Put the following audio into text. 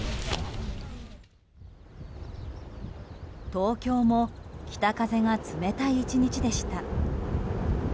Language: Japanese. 東京も北風が冷たい１日でした。